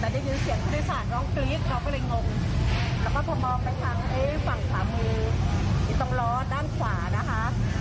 แต่ได้ยินเสียงผู้โดยสารร้องกรี๊ดเราก็เลยงงแล้วก็พอมองไปทางฝั่งขวามืออยู่ตรงล้อด้านขวานะคะ